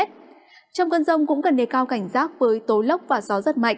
trong cơn rông cũng cần đề cao cảnh giác với tố lốc và gió rất mạnh